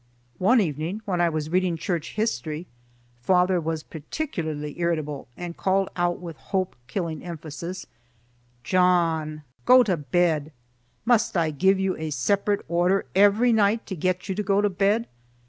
One evening when I was reading Church history father was particularly irritable, and called out with hope killing emphasis, "John go to bed! Must I give you a separate order every night to get you to go to bed?